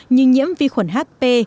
như nhiễm vi khuẩn hp